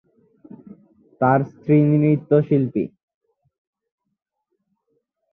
তার স্ত্রী নৃত্যশিল্পী।